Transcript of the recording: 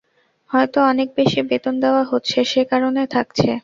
হয়তো অনেক বেশি বেতন দেয়া হচ্ছে, যে-কারণে থাকছে।